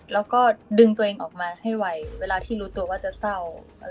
แล้วก็ดึงตัวเองออกมาให้ไวเวลาที่รู้ตัวว่าจะเศร้า